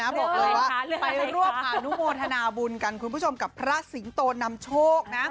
ไปร่วมอนุโมธานาบุญกันคุณผู้ชมกับพระสิงโตนำโชค